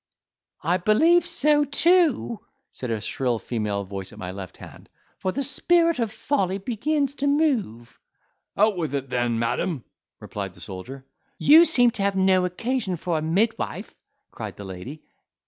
"I believe so too," said a shrill female voice at my left hand, "for the spirit of folly begins to move." "Out with it then, madam!" replied the soldier. "You seem to have no occasion for a midwife," cried the lady.